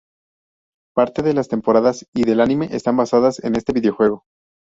Parte de las temporadas y del anime están basadas en este videojuego.